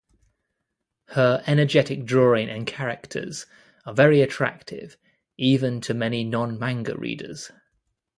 Her energetic drawing and characters are very attractive, even to non-manga readers.